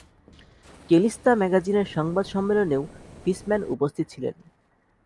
কেলিস্তা ম্যাগাজিনের সংবাদ সম্মেলনেও ফিসম্যান উপস্থিত ছিলেন।